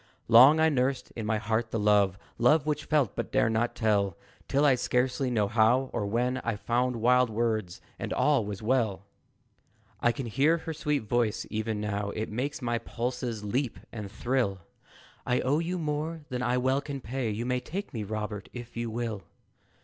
Long I nursed in my heart the love, Love which felt, but dared not tell, Till, I scarcely know how or when It found wild words, and all was well! I can hear her sweet voice even now It makes my pulses leap and thrill "I owe you more than I well can pay; You may take me, Robert, if you will!"